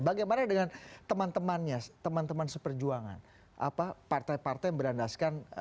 bagaimana dengan teman temannya teman teman seperjuangan apa partai partai yang berandaskan